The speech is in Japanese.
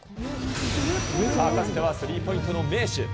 さあ、かつてはスリーポイントの名手。